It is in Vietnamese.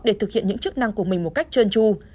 để thực hiện những chức năng của mình một cách trơn tru